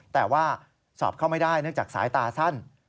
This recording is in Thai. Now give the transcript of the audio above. แต่ว่าสอบเข้าไม่ได้เนื่องจากสายตาสั้น